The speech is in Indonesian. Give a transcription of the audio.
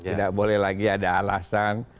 tidak boleh lagi ada alasan